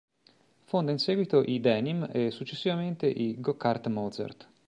Fonda in seguito i Denim e successivamente i Go Kart Mozart.